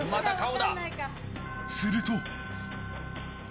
すると。